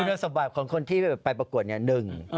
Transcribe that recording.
สุดท้ายสบายของคนที่ไปประกวดอย่างหนึ่ง